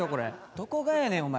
どこがやねんお前。